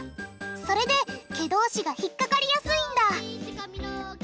それで毛同士が引っ掛かりやすいんだ